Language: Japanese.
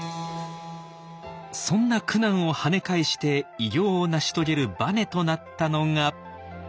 そんな苦難をはね返して偉業を成し遂げるバネとなったのが。